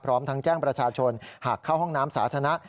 พร้อมทั้งแจ้งประชาชนหากเข้าห้องน้ำสาธารณะ